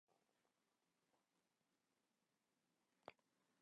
Fydd dim awyrennau yn hedfan fory.